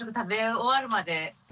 終わるまで？